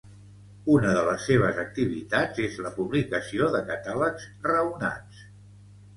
Una de les seves activitats és la publicació de catàlegs raonats.